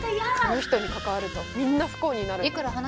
あの人に関わるとみんな不幸になるの。